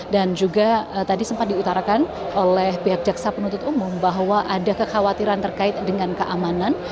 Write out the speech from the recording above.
dan juga tadi sempat diutarakan oleh pihak jaksa penuntut umum bahwa ada kekhawatiran terkait dengan keamanan